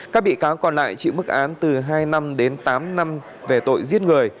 các bị cáo còn lại chịu mức án từ hai năm đến tám năm về tội giết người